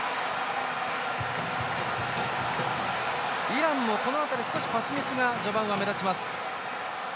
イランもこの辺り少しパスミスが序盤は目立ちます。